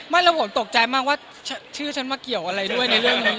ไม่แล้วผมตกใจมากว่าชื่อฉันมาเกี่ยวอะไรด้วยในเรื่องนั้น